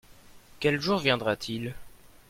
Quel jour viendra-t-il ?